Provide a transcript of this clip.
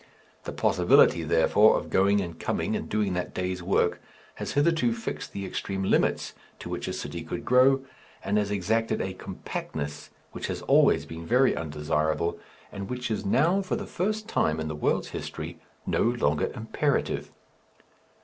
The possibility, therefore, of going and coming and doing that day's work has hitherto fixed the extreme limits to which a city could grow, and has exacted a compactness which has always been very undesirable and which is now for the first time in the world's history no longer imperative.